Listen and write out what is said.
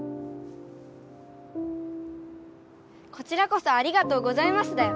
こちらこそありがとうございますだよ。